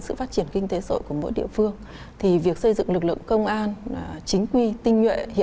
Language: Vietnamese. sự phát triển kinh tế sội của mỗi địa phương thì việc xây dựng lực lượng công an chính quy tinh nhuệ hiện